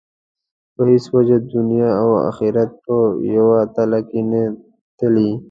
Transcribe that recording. په هېڅ وجه دنیا او آخرت په یوه تله کې نه تلي.